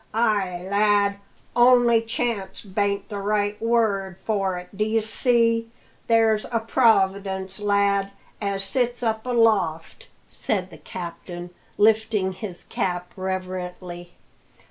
"Ay, lad, only chance bain't the right word for it, d'ye see. There's a Providence, lad, as sits up aloft," said the captain, lifting his cap reverently.